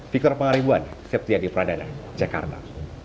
victor pangaribuan septiadi pradana jakarta